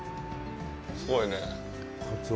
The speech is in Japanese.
すごいね。